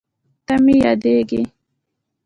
ته مې یادېږې